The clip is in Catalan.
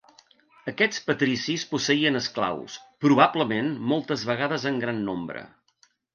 Aquests patricis posseïen esclaus, probablement moltes vegades en gran nombre.